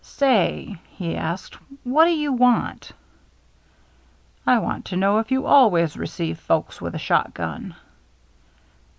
"Say," he asked, " what do you want ?"" I want to know if you always receive folks with a shot gun